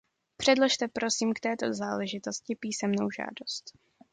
Předložte prosím k této záležitosti písemnou žádost.